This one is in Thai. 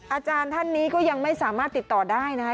อาจารย์ท่านนี้ก็ยังไม่สามารถติดต่อได้นะคะ